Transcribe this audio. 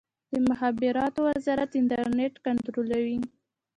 د مخابراتو وزارت انټرنیټ کنټرولوي؟